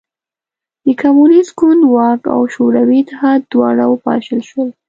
د کمونېست ګوند واک او شوروي اتحاد دواړه وپاشل شول